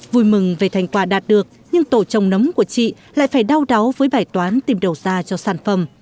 vui mừng về thành quả đạt được nhưng tổ trồng nấm của chị lại phải đau đáu với bài toán tìm đầu ra cho sản phẩm